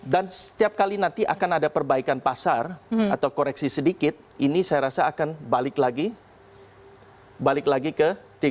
dan setiap kali nanti akan ada perbaikan pasar atau koreksi sedikit ini saya rasa akan balik lagi ke tiga belas lima ratus